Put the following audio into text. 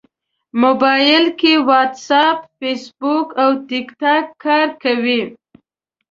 موبایل کې واټساپ، فېسبوک او ټېکټاک کار کوي.